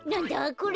これ。